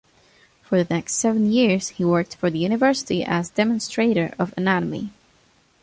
For the next seven years, he worked for the University as Demonstrator of Anatomy.